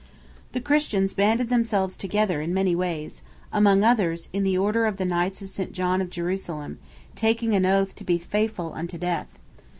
The Christians banded themselves together in many ways, among others in the Order of the Knights of St John of Jerusalem, taking an oath to be faithful unto death.